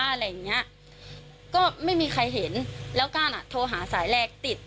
อะไรอย่างเงี้ยก็ไม่มีใครเห็นแล้วก้านอ่ะโทรหาสายแรกติด